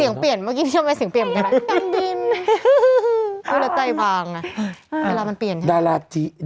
สิ่งเปลี่ยนเมื่อกี้พี่ยอมหร่าสิ่งเปลี่ยนไป